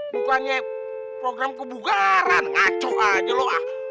bukannya program kebugaran ngaco aja lo